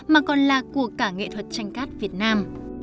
mà còn là của cả nghệ thuật tranh cát việt nam